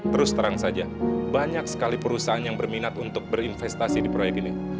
terus terang saja banyak sekali perusahaan yang berminat untuk berinvestasi di proyek ini